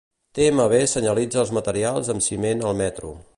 TMB senyalitza els materials amb ciment al metro.